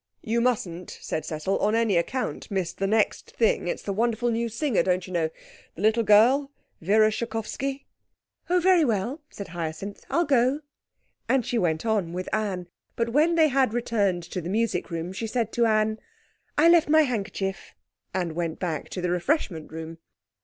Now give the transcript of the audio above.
'You mustn't,' said Cecil, 'on any account miss the next thing. It is the wonderful new singer, don't you know the little girl, Vera Schakoffsky.' 'Oh, very well,' said Hyacinth. 'I'll go,' and she went on with Anne. But when they had returned to the music room she said to Anne, 'I left my handkerchief,' and went back to the refreshment room.